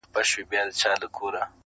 نن مي په دېوان کي د جانان حماسه ولیکه!!